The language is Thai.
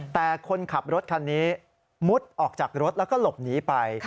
แต่คนขับรถคันนี้มุดออกจากรถแล้วก็หลบหนีไป